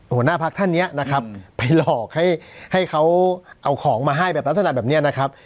หัวหน้าพักท่านเนี่ยนะครับไปหลอกให้เขาเอาของมาให้แบบลักษณะแบบนี้นะครับ